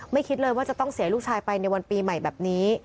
คิดเลยว่าจะต้องเสียลูกชายไปในวันปีใหม่แบบนี้